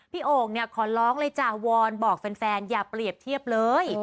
โอ่งเนี่ยขอร้องเลยจ้ะวอนบอกแฟนอย่าเปรียบเทียบเลย